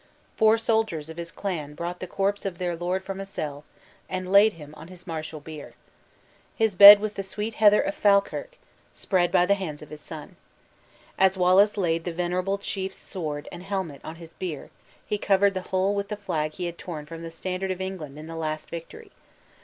Four soldiers of his clan brought the corpse of their Lord from a cell, and laid him on his martial bier. His bed was the sweet heather of Falkirk, spread by the hands of his son. As Wallace laid the venerable chief's sword and helmet on his bier, he covered the whole with the flag he had torn from the standard of England in the last victory.